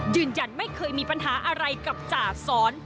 ยืนยันไม่เคยมีปัญหาอะไรกับจ่าสอน